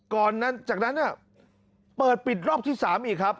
ก่อนนั้นจากนั้นเปิดปิดรอบที่สามอีกครับ